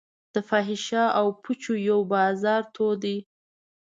د فحاشا او پوچو یو بازار تود دی.